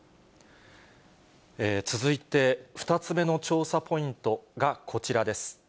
続いて、２つ目の調査ポイントがこちらです。